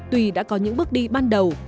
tùy đã có những bước đi ban đầu